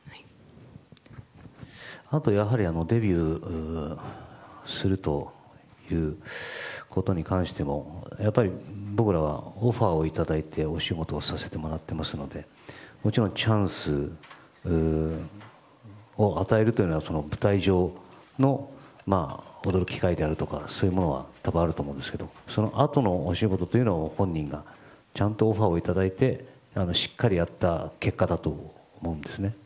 やはりデビューするということに関しても僕らはオファーをいただいてお仕事をさせていただいていますのでもちろんチャンスを与えるというのは舞台上の踊る機会であるとかそういうものは多分あると思うんですけどそのあとのお仕事というのは本人がちゃんとオファーをいただいてしっかりやった結果だと思うんです。